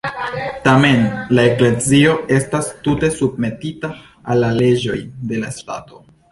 Tamen, la Eklezio estas tute submetita al la leĝoj de la ŝtato.